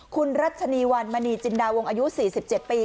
คุณรัชนีวันมณีจินดาวงอายุ๔๗ปี